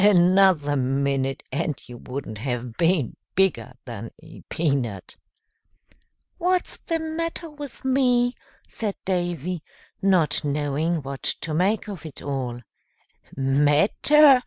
"Another minute and you wouldn't have been bigger than a peanut!" "What's the matter with me?" said Davy, not knowing what to make of it all. "Matter?"